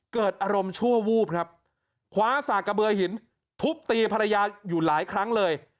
เกิดอารมณ์ชั่ววูบครับคว้าสากกระเบือหินทุบตีภรรยาอยู่หลายครั้งเลย